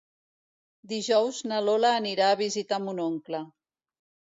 Dijous na Lola anirà a visitar mon oncle.